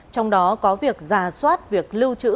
trong đó có việc giả soát việc lưu trữ